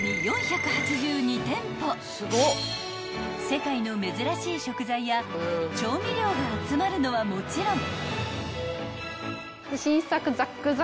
［世界の珍しい食材や調味料が集まるのはもちろん］